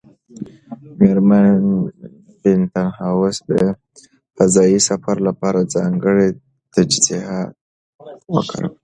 مېرمن بینتهاوس د فضایي سفر لپاره ځانګړي تجهیزات وکارول.